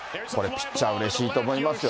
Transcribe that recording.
ピッチャー、うれしいと思いますよ。